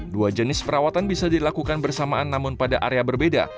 dua jenis perawatan bisa dilakukan bersamaan namun pada area berbeda